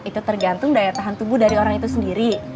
itu tergantung daya tahan tubuh dari orang itu sendiri